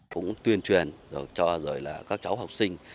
cũng tuyên truyền cho các cháu học sinh